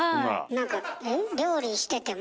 なんか料理してても？